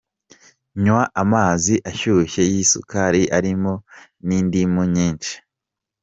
Nywa Amazi ashyushye y’isukali arimo n’indimu nyinshi .